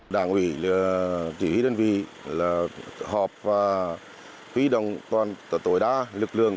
đảng ủy chỉ huy đơn vị là họp và huy động tối đa lực lượng